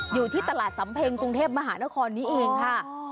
อยู่ที่ตลาดสำเพ็งกรุงเทพมหานครนี้เองค่ะ